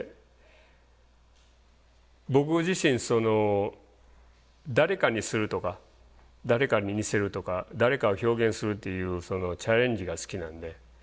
僕自身誰かにするとか誰かに似せるとか誰かを表現するっていうそのチャレンジが好きなんで。